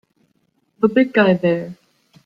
The big guy there!